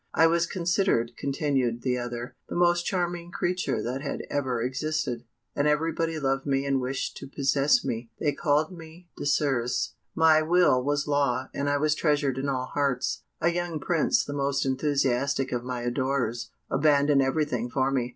"I was considered," continued the other, "the most charming creature that had ever existed, and everybody loved me and wished to possess me: they called me Désirs; my will was law, and I was treasured in all hearts. A young prince, the most enthusiastic of my adorers, abandoned everything for me.